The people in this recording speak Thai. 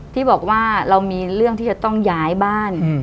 ที่บอกว่าเรามีเรื่องที่จะต้องย้ายบ้าน